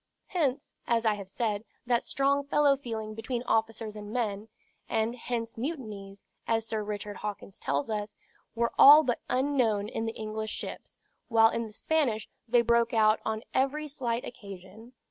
Hence, as I have said, that strong fellow feeling between officers and men; and hence mutinies (as Sir Richard Hawkins tells us) were all but unknown in the English ships, while in the Spanish they broke out on every slight occasion.